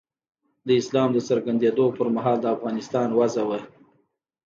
د اسلام د څرګندېدو پر مهال د افغانستان وضع وه.